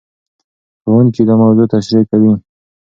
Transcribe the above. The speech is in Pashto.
ښوونکي دا موضوع تشريح کوي.